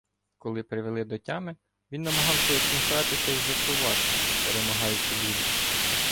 Коли привели до тями, він намагався усміхатися і жартувати, перемагаючи біль.